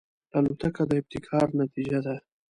الوتکه د ابتکار نتیجه ده.